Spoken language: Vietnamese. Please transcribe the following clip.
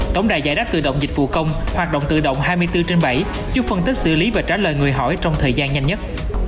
tổng đài giải đáp tự động dịch vụ công hoạt động tự động hai mươi bốn trên bảy giúp phân tích xử lý và trả lời người hỏi trong thời gian nhanh nhất